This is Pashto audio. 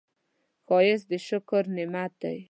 ښایست د شکر نعمت دی